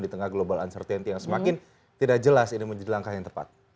di tengah global uncertainty yang semakin tidak jelas ini menjadi langkah yang tepat